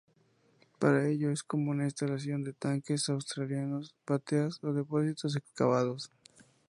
Para ello es común la instalación de tanques australianos, bateas o depósitos excavados.